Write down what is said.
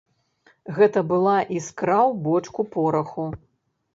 Гэта была іскра ў бочку пораху.